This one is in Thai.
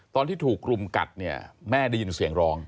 ตอนที่ถูกกลุ่มกัดแม่ได้ยินเสียงร้อง